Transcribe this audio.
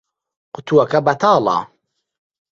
قوتووەکە بەتاڵە.